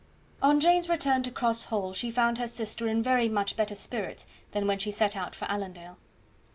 On Jane's return to Cross Hall she found her sister in very much better spirits than when she set out for Allendale.